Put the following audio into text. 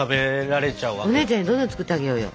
お姉ちゃんにどんどん作ってあげようよ。